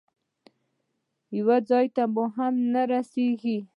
یو ځای ته به هم نه رسېږي.